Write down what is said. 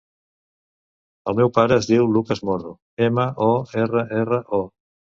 El meu pare es diu Lucas Morro: ema, o, erra, erra, o.